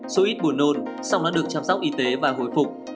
số ít buồn nôn sau đó được chăm sóc y tế và hồi phục